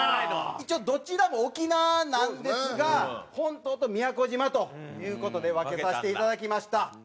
一応どちらも沖縄なんですが本島と宮古島という事で分けさせていただきました。